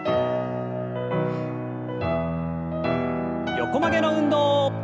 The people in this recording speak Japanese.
横曲げの運動。